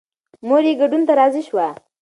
مور یې ګډون ته راضي شوه.